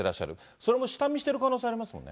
それも下見してる可能性ありますもんね。